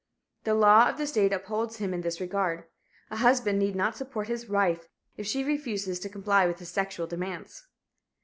The law of the state upholds him in this regard. A husband need not support his wife if she refuses to comply with his sexual demands.